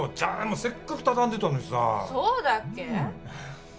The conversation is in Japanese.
せっかく畳んでたのにさそうだっけ？